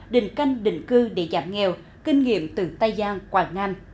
đình canh định cư để giảm nghèo kinh nghiệm từ tây giang quảng nam